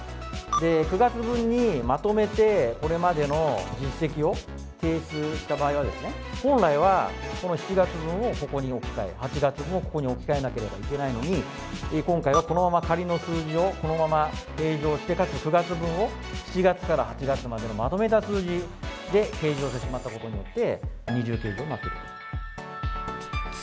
９月分にまとめてこれまでの実績を提出した場合は本来はこの７月分をここに置き換え８月分もこちらに置き換えなければいけないのに今回はこのまま仮の数字をこのまま計上してかつ、９月分を７月から８月までのまとめた数字で計上してしまったことによって二重計上になっています。